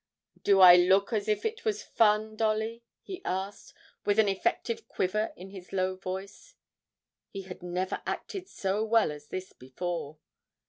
'Do I look as if it was fun, Dolly?' he asked, with an effective quiver in his low voice; he had never acted so well as this before.